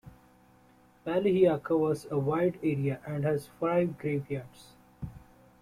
Ballyhea covers a wide area and has five graveyards.